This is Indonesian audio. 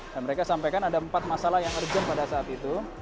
dan mereka sampaikan ada empat masalah yang terjun pada saat itu